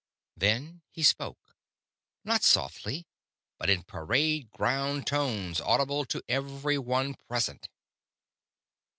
Then he spoke not softly, but in parade ground tones audible to everyone present.